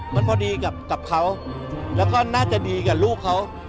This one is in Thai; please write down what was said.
มันพอดีกับเขาแล้วก็น่าจะดีกับลูกเขา